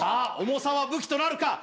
重さは武器となるか？